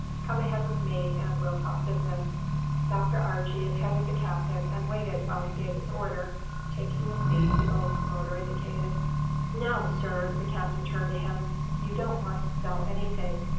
"Come ahead with me, and we'll talk business." Dr. Archie attended the Captain and waited while he gave his order, taking the seat the old promoter indicated. "Now, sir," the Captain turned to him, "you don't want to sell anything.